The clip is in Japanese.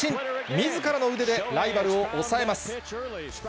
みずからの腕でライバルを抑えます。